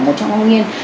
một trong những